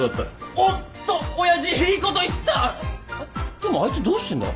でもあいつどうしてんだ？